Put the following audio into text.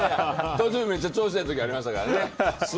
途中めっちゃ調子ええ時ありましたから。